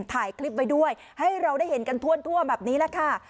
ถ่ายคลิปไว้ด้วยให้เราได้เห็นกันทั่วแบบนี้แหละค่ะ